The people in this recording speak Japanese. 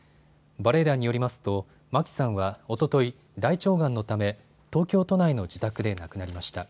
バレエ団によりますと牧さんはおととい、大腸がんのため東京都内の自宅で亡くなりました。